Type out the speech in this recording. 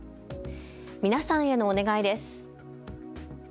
皆さんへのお願いです。